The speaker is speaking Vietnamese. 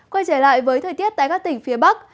quay trở lại với thời tiết tại các tỉnh phía bắc